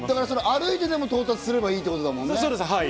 歩いてでも到達すればいいんだもんね。